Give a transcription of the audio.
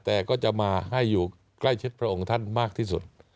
แต่ก็จะมาให้อยู่ใกล้ชิดพระองค์ท่านมากที่สุด